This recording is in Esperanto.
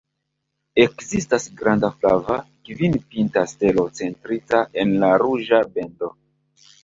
Ekzistas granda flava, kvin-pinta stelo centrita en la ruĝa bendo.